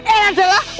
eh ada lah